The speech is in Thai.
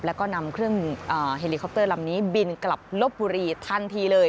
แล้วก็นำเครื่องเฮลิคอปเตอร์ลำนี้บินกลับลบบุรีทันทีเลย